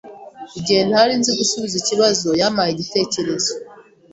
Igihe ntari nzi gusubiza ikibazo, yampaye igitekerezo.